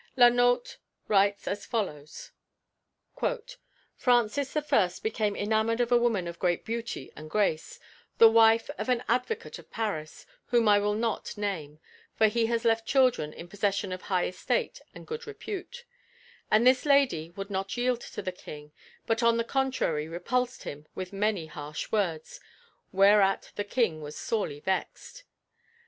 La Nauthe writes as follows: "Francis I. became enamoured of a woman of great beauty and grace, the wife of an advocate of Paris, whom I will not name, for he has left children in possession of high estate and good repute; and this lady would not yield to the King, but on the contrary repulsed him with many harsh words, whereat the King was sorely vexed.